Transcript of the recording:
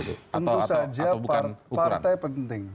tentu saja partai penting